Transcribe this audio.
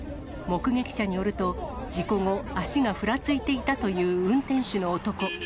目撃者によると、事故後、足がふらついていたという運転手の男。